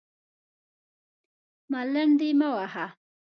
_ملنډې مه وهه!